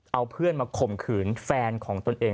เอาเพื่อนมาข่มขืนแฟนของตนเอง